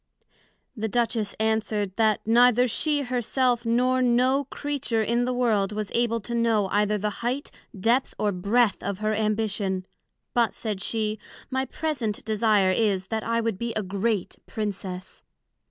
The Duchess answered, That neither she her self, nor no Creature in the World was able to know either the height, depth, or breadth of her Ambition; but said she, my present desire is, that I would be a great Princess.